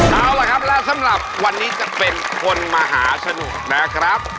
เอาล่ะครับแล้วสำหรับวันนี้จะเป็นคนมหาสนุกนะครับ